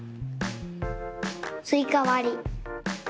スイカわり。